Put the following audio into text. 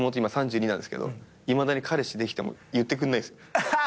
今３２なんですけどいまだに彼氏できても言ってくれないです。